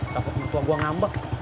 kapan putua gue ngambek